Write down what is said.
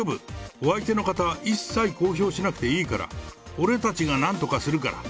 お相手の方、一切公表しなくていいから、俺たちがなんとかするから。